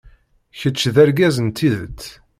Kečč d argaz n tidet.